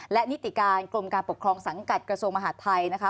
และนิติการกรมการปกครองสังกัดกระทรวงมหาดไทยนะคะ